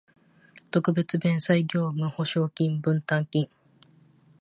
特別弁済業務保証金分担金